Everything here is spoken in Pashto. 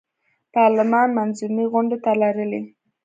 پارلمان منظمې غونډې نه لرلې.